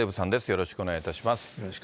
よろしくお願いします。